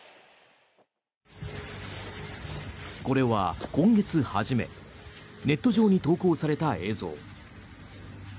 これは今月初めネット上に投稿された映像。